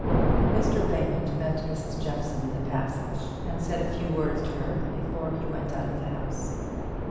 Mr. Raymond met Mrs. Jeffson in the passage, and said a few words to her before he went out of the house.